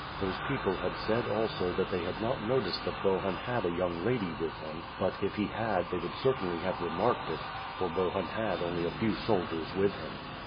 Those people had said also that they had not noticed that Bohun had a young lady with him, but if he had they would certainly have remarked it, for Bohun had only a few soldiers with him.